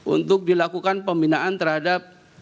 untuk dilakukan pembinaan terhadap